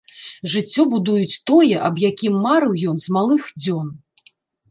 Жыццё будуюць, тое, аб якім марыў ён з малых дзён.